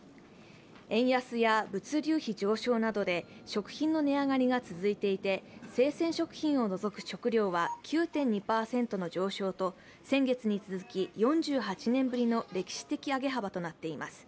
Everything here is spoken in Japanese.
円安や物流費上昇などで食品の値上がりが続いていて生鮮食品を除く食料は９．２％の上昇と、先月に続き、４８年ぶりの歴史的上げ幅となっています。